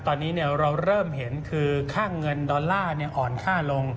ตอนนี้เราเริ่มเห็นคือค่าเงินดอลลาร์อ่อนค่าลง